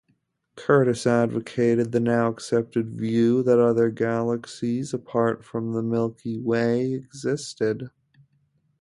Curtis advocated the now-accepted view that other galaxies apart from the Milky Way existed.